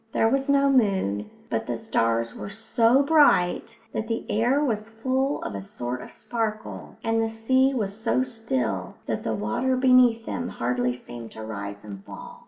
There was no moon, but the stars were so bright that the air was full of a sort of sparkle; and the sea was so still that the water beneath them hardly seemed to rise and fall.